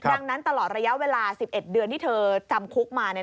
ดังนั้นตลอดระยะเวลา๑๑เดือนที่เธอจำคุกมา